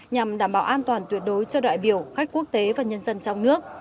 nhằm đảm bảo an toàn tuyệt đối cho đại biểu khách quốc tế và nhân dân trong nước